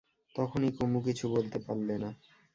তখনই কুমু কিছু বলতে পারলে না।